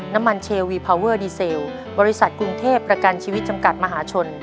น้ำมันเชลวีพาวเวอร์ดีเซลบริษัทกรุงเทพประกันชีวิตจำกัดมหาชน